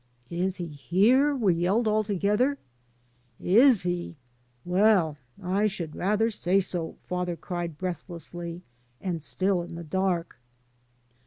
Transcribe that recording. Is he here?" we yelled all together. Is he? Well, I should rather say so!" father cried, breathlessly, and^stiU in the dark.